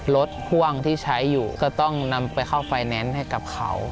รถพ่วงที่ใช้อยู่ก็ต้องนำไปเข้าไฟแนนซ์ให้กับเขา